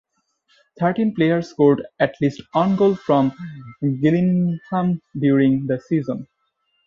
Thirteen players scored at least one goal for Gillingham during the season.